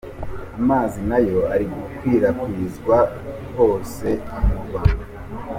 Amazi nayo ari gukwirakwizwa hose mu Rwanda.